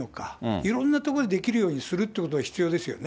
いろんな所でできるようにするっていうのが必要ですよね。